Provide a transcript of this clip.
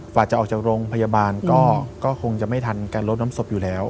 กว่าจะออกจากโรงพยาบาลก็คงจะไม่ทันการลดน้ำศพอยู่แล้ว